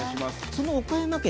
その岡山県